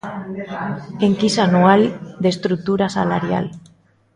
Enquisa anual de estrutura salarial.